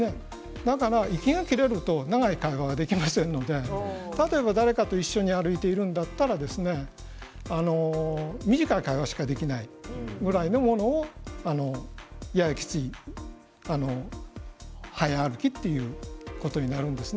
息が切れると長い会話ができませんので誰かが歩いているんだったら短い会話しかできないぐらいのものがややきつい早歩きということになるわけです。